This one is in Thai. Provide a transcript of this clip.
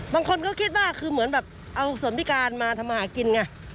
บางคนก็คิดว่าคือเหมือนแบบเอาส่วนพิการมาทำอาหารกินไง